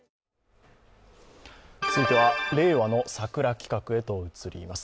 続いては、令和の桜企画へと移ります。